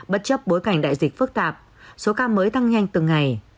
bất chấp bối cảnh đại dịch phức tạp số ca mới tăng nhanh từng ngày